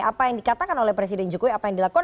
apa yang dikatakan oleh presiden jokowi apa yang dilakukan